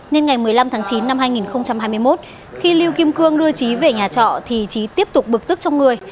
nên ngày một mươi năm tháng chín năm hai nghìn hai mươi một khi lưu kim cương đưa trí về nhà trọ thì trí tiếp tục bực tức trong người